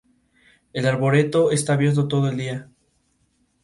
El arboreto está abierto todo el día.